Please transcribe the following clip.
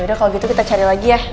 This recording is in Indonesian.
udah kalau gitu kita cari lagi ya